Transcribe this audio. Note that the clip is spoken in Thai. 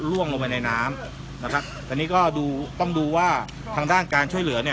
ล่วงลงไปในน้ำนะครับตอนนี้ก็ดูต้องดูว่าทางด้านการช่วยเหลือเนี่ย